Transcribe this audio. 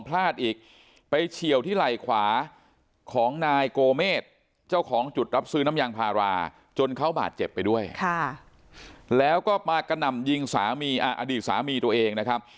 แล้วก็มากระหน่ำยิงสามีอ่ะอดีตสามีตัวเองนะครับ